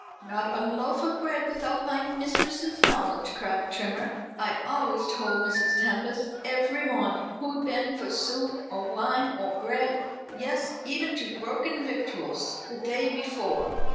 "Not a loaf of bread without my mistress's knowledge," cried Trimmer. "I always told Mrs. Tempest every morning who'd been for soup, or wine, or bread yes, even to broken victuals the day before.